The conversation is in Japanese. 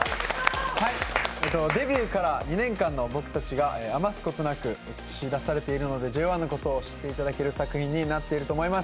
デビューから２年間の僕たちが余すことなく映し出されているのでＪＯ１のことを知っていただける作品になっていると思います。